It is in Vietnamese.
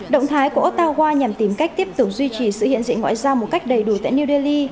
động thái của otawa nhằm tìm cách tiếp tục duy trì sự hiện diện ngoại giao một cách đầy đủ tại new delhi